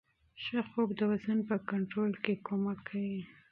ښه خوب د وزن په کنټرول کې مرسته کوي.